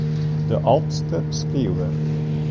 De âldste skriuwer.